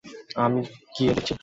আমি গিয়ে দেখছি।